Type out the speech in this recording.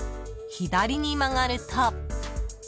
左に曲がると］